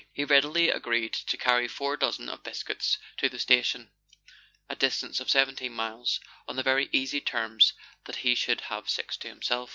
He readily agreed to carry four dozen of biscuits to the station, a distance of seventeen miles, on the very easy terms that Letters from Victorian Pioneers. 103 he should have six to himself.